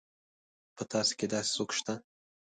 په تاسي کې داسې څوک شته.